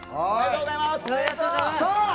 おめでとうございます。